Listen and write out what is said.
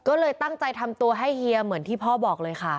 ก็เลยตั้งใจทำตัวให้เฮียเหมือนที่พ่อบอกเลยค่ะ